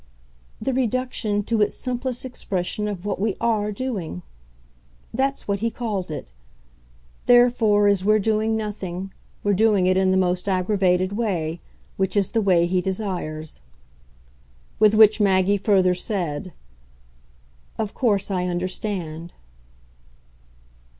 "'The reduction to its simplest expression of what we ARE doing' that's what he called it. Therefore as we're doing nothing, we're doing it in the most aggravated way which is the way he desires." With which Maggie further said: "Of course I understand."